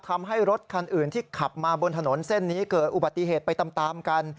ทำให้รถคันอื่นที่ขับมาบนถนนเส้นนี้เกิดอุบัติเหตุไปตามกัน